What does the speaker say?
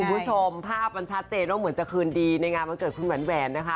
คุณผู้ชมภาพมันชัดเจนว่าเหมือนจะคืนดีในงานวันเกิดคุณแหวนนะคะ